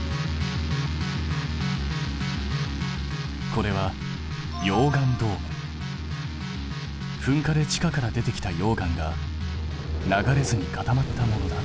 これは噴火で地下から出てきた溶岩が流れずに固まったものだ。